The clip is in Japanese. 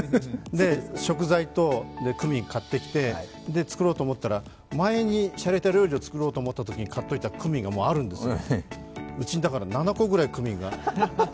食材とクミン買ってきて作ろうと思ったら、前にしゃれた料理を作ろうと思ったときに買っておいたもうあるんですよ、うちにだから７個ぐらいクミンが。